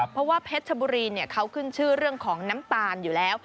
เพราะว่าเพชรชบุรีเขาขึ้นชื่อเรื่องของน้ำตาลอยู่แล้ว